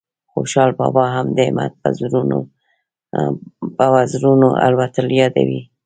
خوشال بابا هم د همت په وزرونو الوتل یادوي